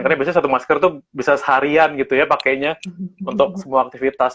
karena biasanya satu masker tuh bisa seharian gitu ya pakainya untuk semua aktivitas